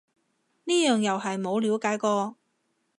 呢樣又係冇了解過